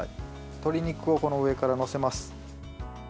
鶏肉をこの上から載せます。